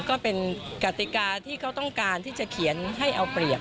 ก็เป็นกติกาที่เขาต้องการที่จะเขียนให้เอาเปรียบ